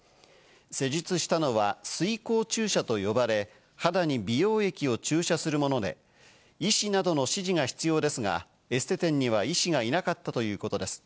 施術したのは水光注射と呼ばれ、肌に美容液を注射するもので、医師などの指示が必要ですが、エステ店には医師がいなかったということです。